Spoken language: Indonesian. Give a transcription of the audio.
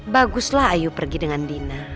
baguslah ayu pergi dengan dina